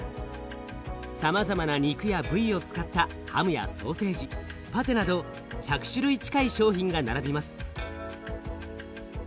さまざまな肉や部位を使ったハムやソーセージパテなど１００種類近い商品が並びます。